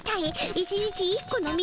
１日１個の道？